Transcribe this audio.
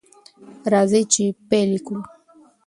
راځئ چې پیل یې کړو.